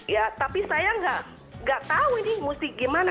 ya tapi saya nggak tahu ini mesti gimana